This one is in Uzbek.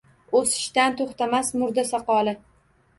O’sishdan to’xtamas murda soqoli.